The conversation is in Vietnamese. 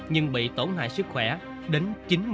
nhưng bị tổn hại sức khỏe đến chín mươi